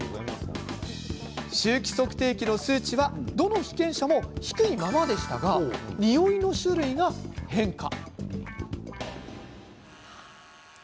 臭気測定器の数値はどの被験者も低いままでしたがにおいの種類が変化。